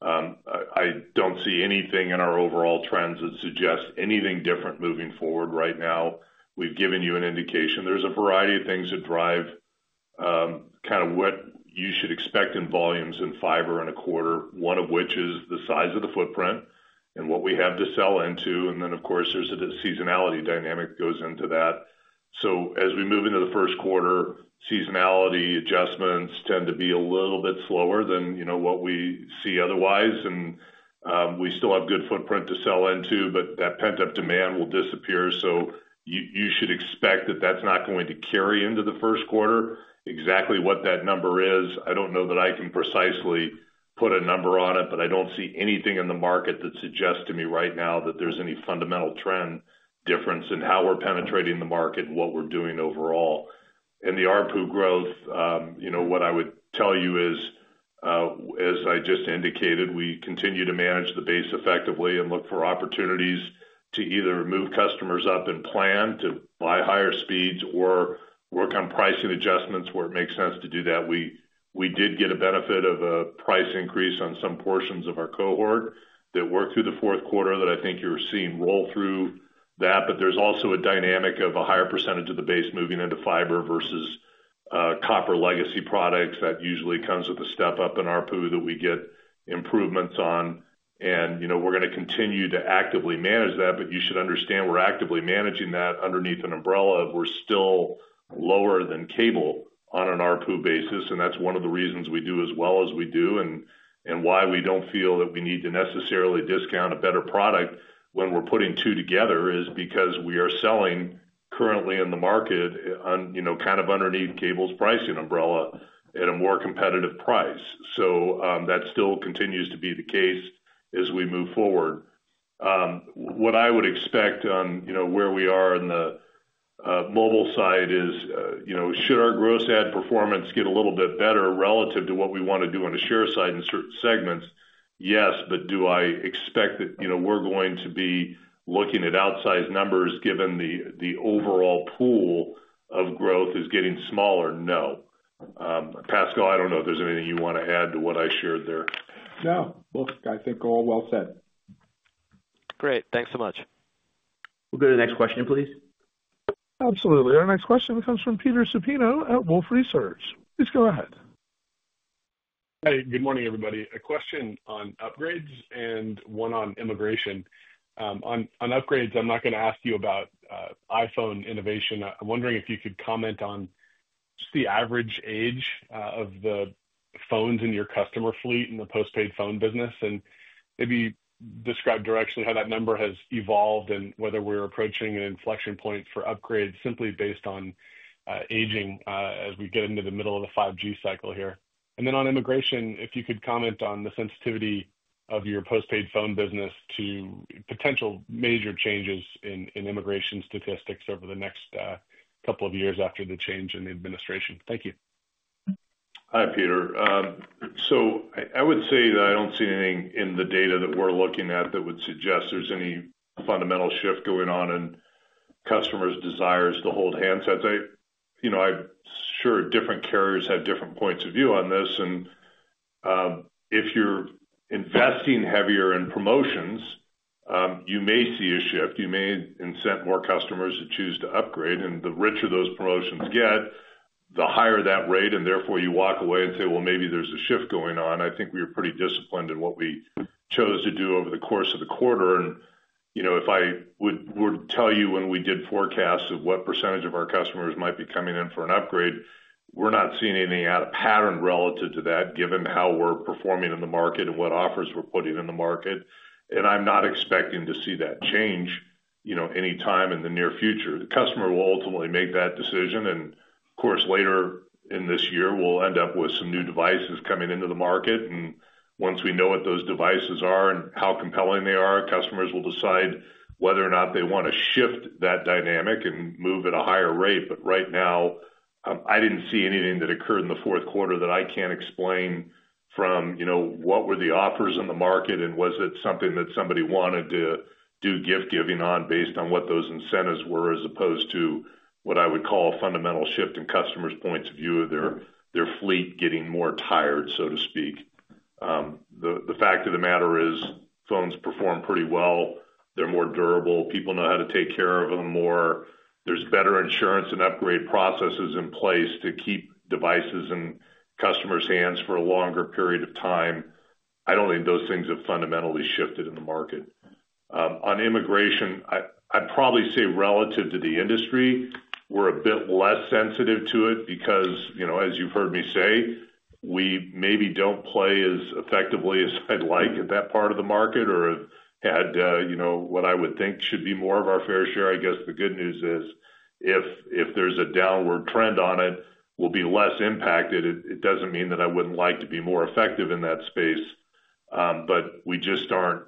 I don't see anything in our overall trends that suggests anything different moving forward right now. We've given you an indication. There's a variety of things that drive kind of what you should expect in volumes in fiber in a quarter, one of which is the size of the footprint and what we have to sell into, and then, of course, there's a seasonality dynamic that goes into that. So as we move into the first quarter, seasonality adjustments tend to be a little bit slower than what we see otherwise. And we still have good footprint to sell into, but that pent-up demand will disappear. So you should expect that that's not going to carry into the first quarter. Exactly what that number is, I don't know that I can precisely put a number on it, but I don't see anything in the market that suggests to me right now that there's any fundamental trend difference in how we're penetrating the market and what we're doing overall. And the ARPU growth, what I would tell you is, as I just indicated, we continue to manage the base effectively and look for opportunities to either move customers up in plan to buy higher speeds or work on pricing adjustments where it makes sense to do that. We did get a benefit of a price increase on some portions of our cohort that worked through the fourth quarter that I think you're seeing roll through that. But there's also a dynamic of a higher percentage of the base moving into fiber versus copper legacy products. That usually comes with a step up in ARPU that we get improvements on. And we're going to continue to actively manage that, but you should understand we're actively managing that underneath an umbrella of we're still lower than cable on an ARPU basis. And that's one of the reasons we do as well as we do. And why we don't feel that we need to necessarily discount a better product when we're putting two together is because we are selling currently in the market kind of underneath cable's pricing umbrella at a more competitive price. So that still continues to be the case as we move forward. What I would expect on where we are on the mobile side is, should our gross ad performance get a little bit better relative to what we want to do on a share side in certain segments? Yes, but do I expect that we're going to be looking at outsized numbers given the overall pool of growth is getting smaller? No. Pascal, I don't know if there's anything you want to add to what I shared there. No. Look, I think all well said. Great. Thanks so much. We'll go to the next question, please. Absolutely. Our next question comes from Peter Supino at Wolfe Research. Please go ahead. Hi. Good morning, everybody. A question on upgrades and one on immigration. On upgrades, I'm not going to ask you about iPhone innovation. I'm wondering if you could comment on just the average age of the phones in your customer fleet in the postpaid phone business and maybe describe directionally how that number has evolved and whether we're approaching an inflection point for upgrades simply based on aging as we get into the middle of the 5G cycle here. And then on immigration, if you could comment on the sensitivity of your postpaid phone business to potential major changes in immigration statistics over the next couple of years after the change in the administration. Thank you. Hi, Peter, so I would say that I don't see anything in the data that we're looking at that would suggest there's any fundamental shift going on in customers' desires to hold handsets. I'm sure different carriers have different points of view on this. And if you're investing heavier in promotions, you may see a shift. You may incent more customers to choose to upgrade. And the richer those promotions get, the higher that rate. And therefore, you walk away and say, "Well, maybe there's a shift going on." I think we were pretty disciplined in what we chose to do over the course of the quarter. And if I would tell you when we did forecasts of what percentage of our customers might be coming in for an upgrade, we're not seeing anything out of pattern relative to that, given how we're performing in the market and what offers we're putting in the market. And I'm not expecting to see that change anytime in the near future. The customer will ultimately make that decision. And of course, later in this year, we'll end up with some new devices coming into the market. And once we know what those devices are and how compelling they are, customers will decide whether or not they want to shift that dynamic and move at a higher rate. But right now, I didn't see anything that occurred in the fourth quarter that I can't explain from what were the offers in the market, and was it something that somebody wanted to do gift-giving on based on what those incentives were as opposed to what I would call a fundamental shift in customers' points of view of their fleet getting more tired, so to speak. The fact of the matter is phones perform pretty well. They're more durable. People know how to take care of them more. There's better insurance and upgrade processes in place to keep devices in customers' hands for a longer period of time. I don't think those things have fundamentally shifted in the market. On immigration, I'd probably say relative to the industry, we're a bit less sensitive to it because, as you've heard me say, we maybe don't play as effectively as I'd like at that part of the market or have had what I would think should be more of our fair share. I guess the good news is if there's a downward trend on it, we'll be less impacted. It doesn't mean that I wouldn't like to be more effective in that space, but we just aren't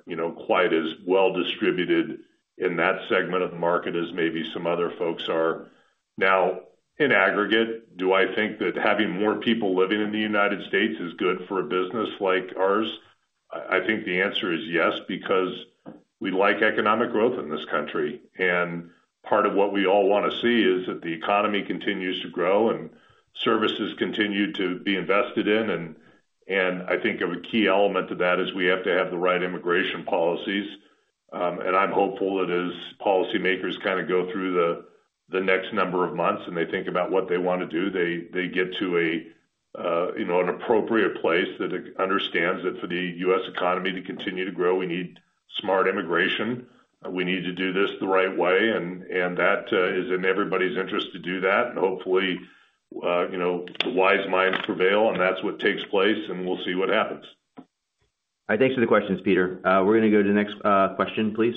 quite as well distributed in that segment of the market as maybe some other folks are. Now, in aggregate, do I think that having more people living in the United States is good for a business like ours? I think the answer is yes because we like economic growth in this country. And part of what we all want to see is that the economy continues to grow and services continue to be invested in. And I think of a key element of that is we have to have the right immigration policies. And I'm hopeful that as policymakers kind of go through the next number of months and they think about what they want to do, they get to an appropriate place that understands that for the U.S. economy to continue to grow, we need smart immigration. We need to do this the right way. And that is in everybody's interest to do that. And hopefully, the wise minds prevail, and that's what takes place, and we'll see what happens. All right. Thanks for the questions, Peter. We're going to go to the next question, please.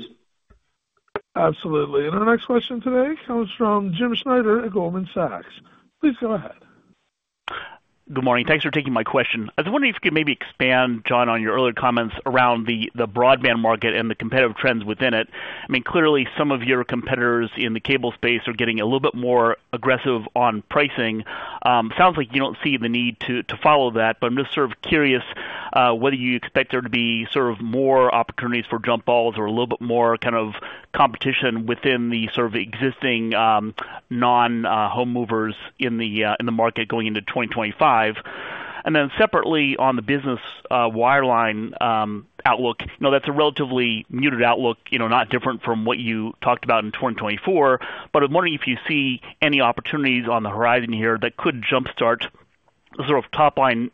Absolutely. And our next question today comes from Jim Schneider at Goldman Sachs. Please go ahead. Good morning. Thanks for taking my question. I was wondering if you could maybe expand, John, on your earlier comments around the broadband market and the competitive trends within it. I mean, clearly, some of your competitors in the cable space are getting a little bit more aggressive on pricing. Sounds like you don't see the need to follow that, but I'm just sort of curious whether you expect there to be sort of more opportunities for jump balls or a little bit more kind of competition within the sort of existing non-home movers in the market going into 2025. Then separately, on the business wireline outlook, that's a relatively muted outlook, not different from what you talked about in 2024, but I'm wondering if you see any opportunities on the horizon here that could jump-start the sort of top-line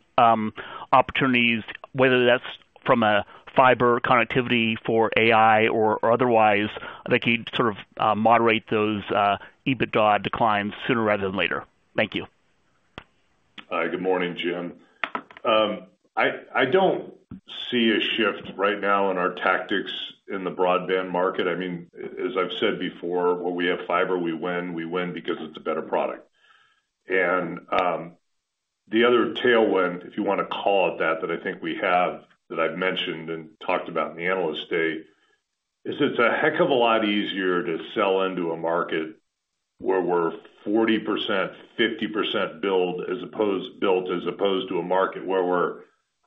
opportunities, whether that's from a fiber connectivity for AI or otherwise, that could sort of moderate those EBITDA declines sooner rather than later. Thank you. Hi. Good morning, Jim. I don't see a shift right now in our tactics in the broadband market. I mean, as I've said before, when we have fiber, we win. We win because it's a better product. And the other tailwind, if you want to call it that, that I think we have that I've mentioned and talked about in the analyst day, is it's a heck of a lot easier to sell into a market where we're 40%, 50% built as opposed to a market where we're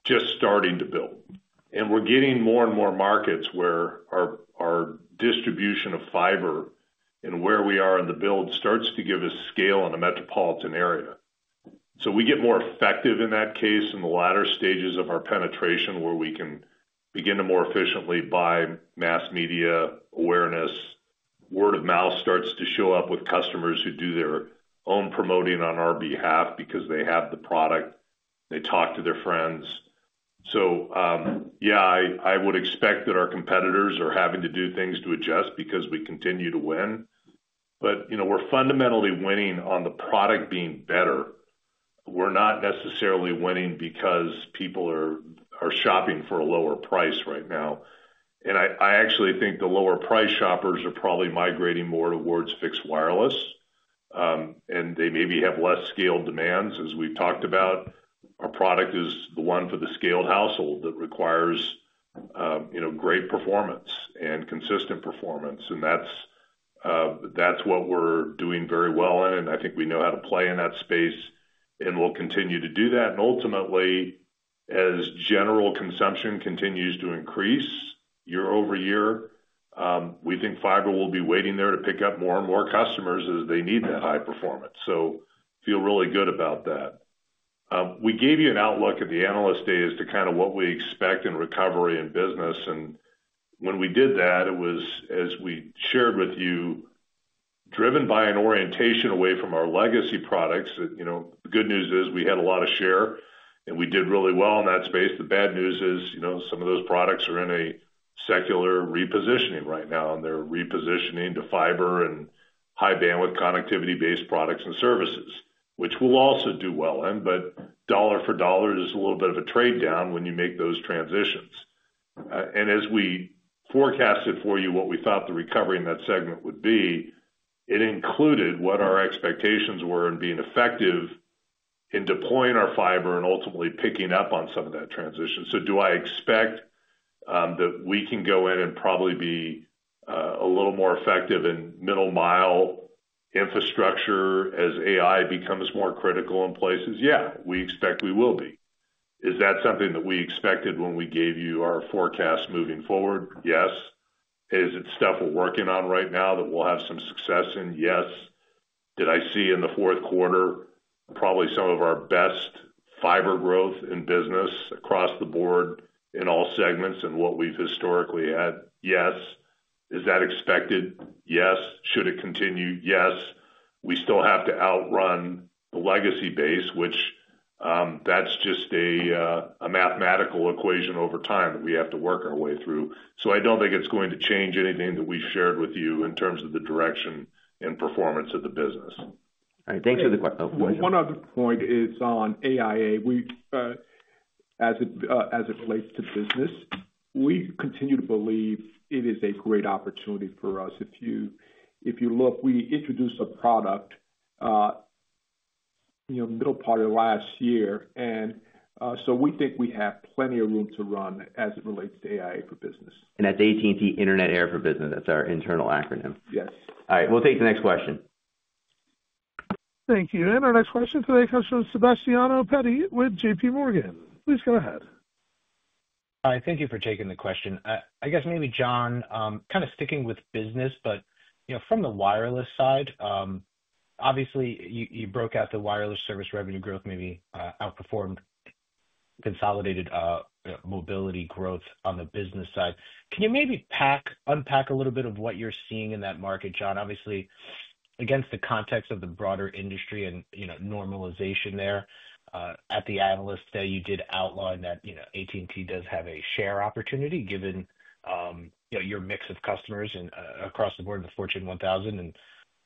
just starting to build. And we're getting more and more markets where our distribution of fiber and where we are in the build starts to give us scale in a metropolitan area. So we get more effective in that case in the latter stages of our penetration where we can begin to more efficiently buy mass media awareness. Word of mouth starts to show up with customers who do their own promoting on our behalf because they have the product. They talk to their friends. So yeah, I would expect that our competitors are having to do things to adjust because we continue to win. But we're fundamentally winning on the product being better. We're not necessarily winning because people are shopping for a lower price right now. And I actually think the lower-price shoppers are probably migrating more towards fixed wireless, and they maybe have less scaled demands. As we've talked about, our product is the one for the scaled household that requires great performance and consistent performance. And that's what we're doing very well in. And I think we know how to play in that space and will continue to do that. And ultimately, as general consumption continues to increase year over year, we think fiber will be waiting there to pick up more and more customers as they need that high performance. So feel really good about that. We gave you an outlook at the analyst day as to kind of what we expect in recovery in business, and when we did that, it was, as we shared with you, driven by an orientation away from our legacy products. The good news is we had a lot of share, and we did really well in that space. The bad news is some of those products are in a secular repositioning right now, and they're repositioning to fiber and high-bandwidth connectivity-based products and services, which we'll also do well in, but dollar for dollar is a little bit of a trade-down when you make those transitions, and as we forecasted for you what we thought the recovery in that segment would be, it included what our expectations were in being effective in deploying our fiber and ultimately picking up on some of that transition. So do I expect that we can go in and probably be a little more effective in middle-mile infrastructure as AI becomes more critical in places? Yeah, we expect we will be. Is that something that we expected when we gave you our forecast moving forward? Yes. Is it stuff we're working on right now that we'll have some success in? Yes. Did I see in the fourth quarter probably some of our best fiber growth in business across the board in all segments and what we've historically had? Yes. Is that expected? Yes. Should it continue? Yes. We still have to outrun the legacy base, which that's just a mathematical equation over time that we have to work our way through. So I don't think it's going to change anything that we've shared with you in terms of the direction and performance of the business. All right. Thanks for the question. One other point is on AIA. As it relates to business, we continue to believe it is a great opportunity for us. If you look, we introduced a product middle part of last year. So we think we have plenty of room to run as it relates to AIA for business. That's AT&T Internet Air for Business. That's our internal acronym. Yes. All right. We'll take the next question. Thank you. Our next question today comes from Sebastiano Petti with J.P. Morgan. Please go ahead. Hi. Thank you for taking the question. I guess maybe, John, kind of sticking with business, but from the wireless side, obviously, you broke out the wireless service revenue growth, maybe outperformed consolidated mobility growth on the business side. Can you maybe unpack a little bit of what you're seeing in that market, John? Obviously, against the context of the broader industry and normalization there, at the analyst day, you did outline that AT&T does have a share opportunity given your mix of customers across the board in the Fortune 1000 and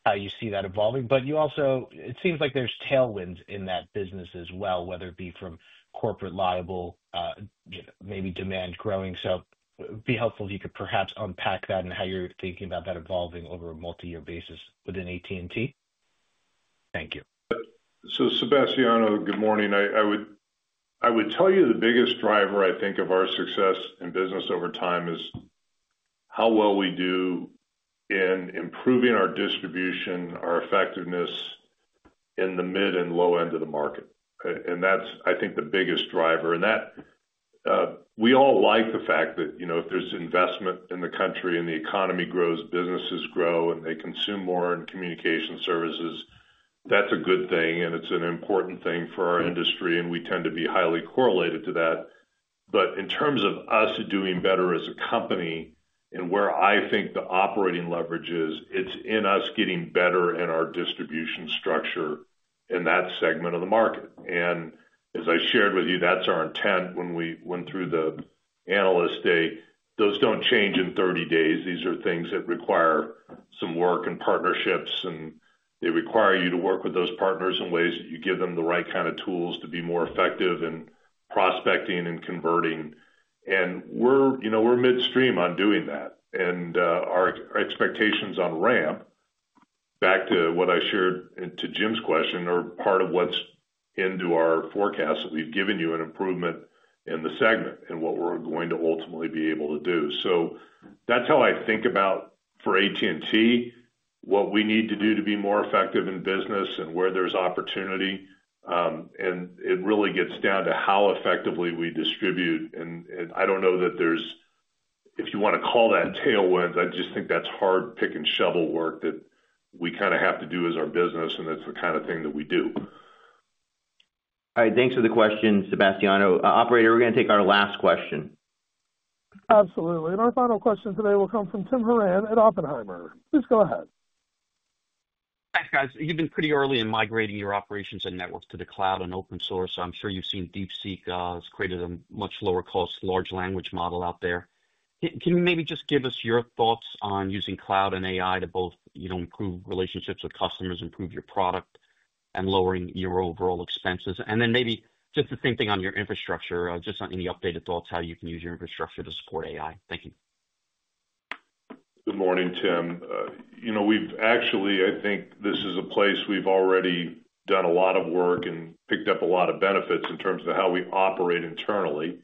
how you see that evolving, but it seems like there's tailwinds in that business as well, whether it be from corporate liable, maybe demand growing, so it would be helpful if you could perhaps unpack that and how you're thinking about that evolving over a multi-year basis within AT&T. Thank you. So Sebastiano, good morning. I would tell you the biggest driver, I think, of our success in business over time is how well we do in improving our distribution, our effectiveness in the mid and low end of the market, and that's, I think, the biggest driver. We all like the fact that if there's investment in the country, and the economy grows, businesses grow, and they consume more in communication services, that's a good thing. It's an important thing for our industry, and we tend to be highly correlated to that. But in terms of us doing better as a company and where I think the operating leverage is, it's in us getting better in our distribution structure in that segment of the market. As I shared with you, that's our intent when we went through the analyst day. Those don't change in 30 days. These are things that require some work and partnerships, and they require you to work with those partners in ways that you give them the right kind of tools to be more effective in prospecting and converting. We're midstream on doing that. And our expectations on ramp, back to what I shared to Jim's question, are part of what's into our forecast that we've given you an improvement in the segment and what we're going to ultimately be able to do. So that's how I think about for AT&T, what we need to do to be more effective in business and where there's opportunity. And it really gets down to how effectively we distribute. And I don't know that there's, if you want to call that tailwinds, I just think that's hard pick-and-shovel work that we kind of have to do as our business, and that's the kind of thing that we do. All right. Thanks for the question, Sebastiano. Operator, we're going to take our last question. Absolutely. And our final question today will come from Tim Horan at Oppenheimer. Please go ahead. Hi, guys. You've been pretty early in migrating your operations and networks to the cloud and open source. I'm sure you've seen DeepSeek has created a much lower-cost large language model out there. Can you maybe just give us your thoughts on using cloud and AI to both improve relationships with customers, improve your product, and lower your overall expenses? And then maybe just the same thing on your infrastructure, just on any updated thoughts, how you can use your infrastructure to support AI. Thank you. Good morning, Tim. We've actually, I think this is a place we've already done a lot of work and picked up a lot of benefits in terms of how we operate internally.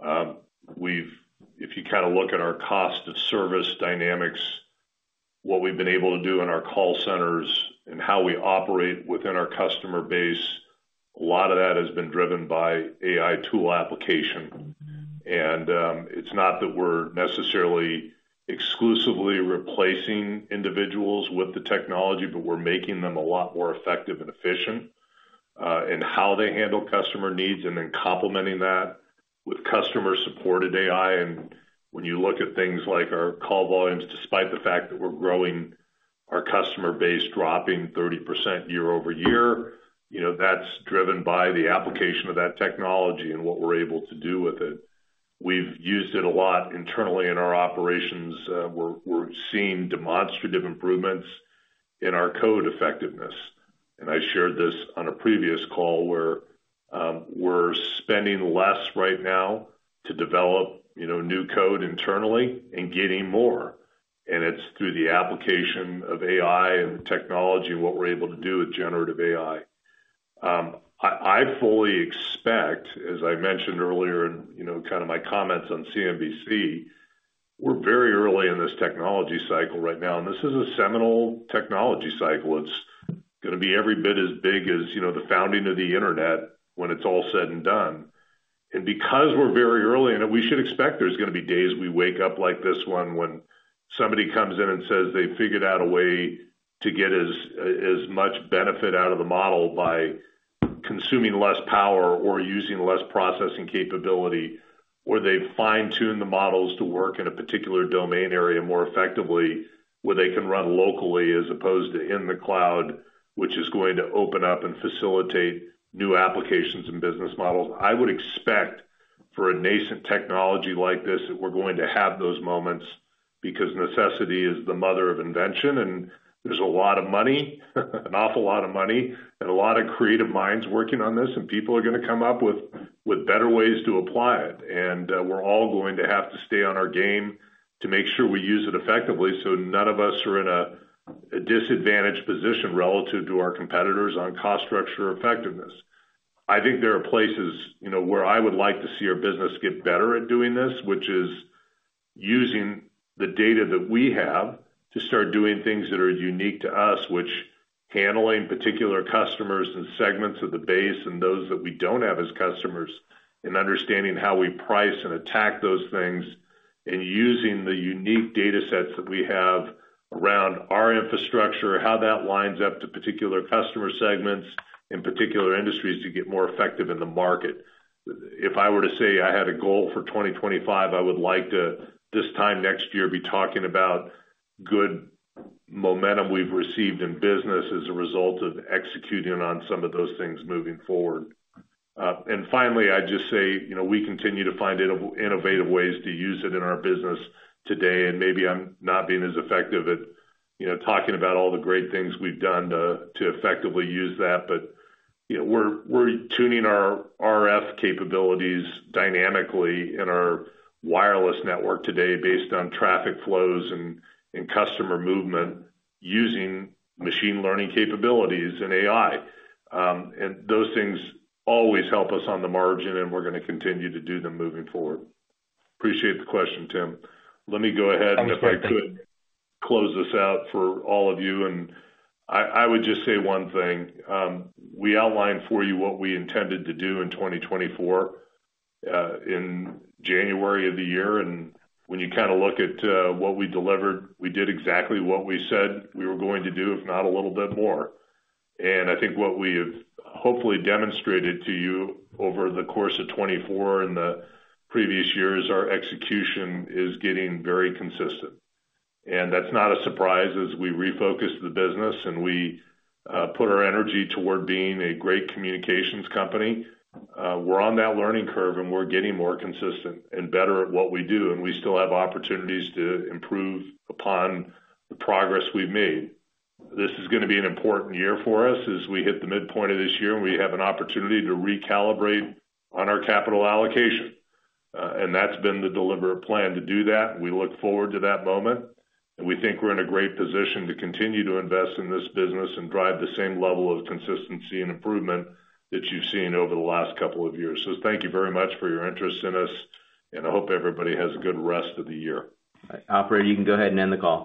If you kind of look at our cost of service dynamics, what we've been able to do in our call centers and how we operate within our customer base, a lot of that has been driven by AI tool application. And it's not that we're necessarily exclusively replacing individuals with the technology, but we're making them a lot more effective and efficient in how they handle customer needs and then complementing that with customer-supported AI. And when you look at things like our call volumes, despite the fact that we're growing our customer base dropping 30% year over year, that's driven by the application of that technology and what we're able to do with it. We've used it a lot internally in our operations. We're seeing demonstrative improvements in our code effectiveness. I shared this on a previous call where we're spending less right now to develop new code internally and getting more. It's through the application of AI and technology and what we're able to do with generative AI. I fully expect, as I mentioned earlier in kind of my comments on CNBC, we're very early in this technology cycle right now. This is a seminal technology cycle. It's going to be every bit as big as the founding of the internet when it's all said and done. Because we're very early in it, we should expect there's going to be days we wake up like this one when somebody comes in and says they've figured out a way to get as much benefit out of the model by consuming less power or using less processing capability, or they've fine-tuned the models to work in a particular domain area more effectively where they can run locally as opposed to in the cloud, which is going to open up and facilitate new applications and business models. I would expect for a nascent technology like this that we're going to have those moments because necessity is the mother of invention, and there's a lot of money, an awful lot of money, and a lot of creative minds working on this, and people are going to come up with better ways to apply it. We're all going to have to stay on our game to make sure we use it effectively so none of us are in a disadvantaged position relative to our competitors on cost structure effectiveness. I think there are places where I would like to see our business get better at doing this, which is using the data that we have to start doing things that are unique to us, which handling particular customers and segments of the base and those that we don't have as customers and understanding how we price and attack those things and using the unique data sets that we have around our infrastructure, how that lines up to particular customer segments in particular industries to get more effective in the market. If I were to say I had a goal for 2025, I would like to, this time next year, be talking about good momentum we've received in business as a result of executing on some of those things moving forward. And finally, I'd just say we continue to find innovative ways to use it in our business today. And maybe I'm not being as effective at talking about all the great things we've done to effectively use that. But we're tuning our RF capabilities dynamically in our wireless network today based on traffic flows and customer movement using machine learning capabilities and AI. And those things always help us on the margin, and we're going to continue to do them moving forward. Appreciate the question, Tim. Let me go ahead, and if I could close this out for all of you. And I would just say one thing. We outlined for you what we intended to do in 2024 in January of the year. And when you kind of look at what we delivered, we did exactly what we said we were going to do, if not a little bit more. And I think what we have hopefully demonstrated to you over the course of 2024 and the previous years is our execution getting very consistent. And that's not a surprise as we refocus the business and we put our energy toward being a great communications company. We're on that learning curve, and we're getting more consistent and better at what we do. And we still have opportunities to improve upon the progress we've made. This is going to be an important year for us as we hit the midpoint of this year, and we have an opportunity to recalibrate on our capital allocation. And that's been the deliberate plan to do that. We look forward to that moment. And we think we're in a great position to continue to invest in this business and drive the same level of consistency and improvement that you've seen over the last couple of years. So thank you very much for your interest in us, and I hope everybody has a good rest of the year. Operator, you can go ahead and end the call.